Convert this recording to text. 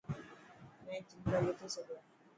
مين جملا لکي ڇڏيا.